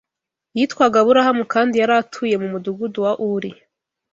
Yitwaga Aburahamu kandi yari atuye mu mudugudu wa Uri